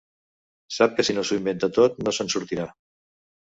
Sap que si no s'ho inventa tot no se'n sortirà.